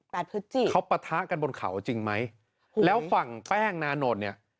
พฤศจิเขาปะทะกันบนเขาจริงไหมแล้วฝั่งแป้งนานนท์เนี่ย